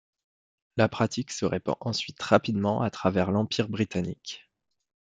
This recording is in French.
La pratique se répand ensuite rapidement à travers l'Empire britannique.